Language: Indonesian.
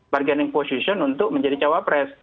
bargaining position untuk menjadi cawapres